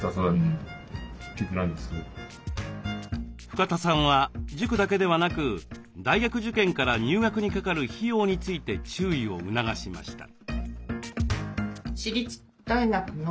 深田さんは塾だけではなく大学受験から入学にかかる費用について注意を促しました。